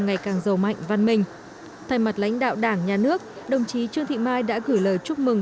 ngày càng giàu mạnh văn minh thay mặt lãnh đạo đảng nhà nước đồng chí trương thị mai đã gửi lời chúc mừng